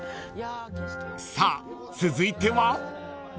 ［さあ続いては？］